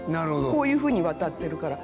こういうふうに渡ってるから。